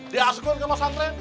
diasukkan ke masangkring